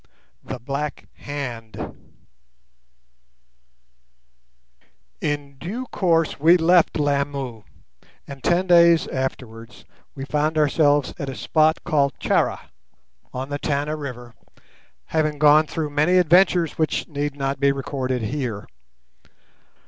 THE BLACK HAND In due course we left Lamu, and ten days afterwards we found ourselves at a spot called Charra, on the Tana River, having gone through many adventures which need not be recorded here.